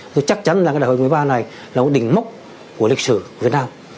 tôi chắc chắn là cái đại hội lần thứ ba này là một đỉnh mốc của lịch sử việt nam